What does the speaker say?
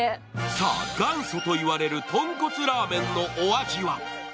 さあ、元祖と言われる豚骨ラーメンのお味は？